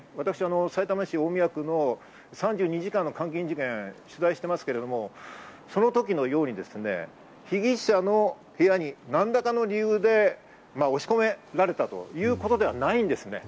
ですから去年、私、さいたま市大宮区の３２時間の監禁事件を取材してますけれども、その時のように被疑者の部屋に何らかの理由で押し込められたということではないんですね。